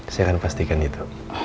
saya akan pastikan itu